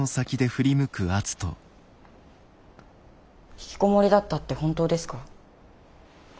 ひきこもりだったって本当ですか？